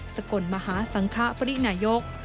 สกลมฮศังขาวรินายก